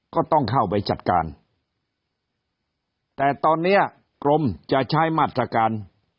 ก็ต้องเข้าไปจัดการแต่ตอนเนี้ยกรมจะใช้มาตรการ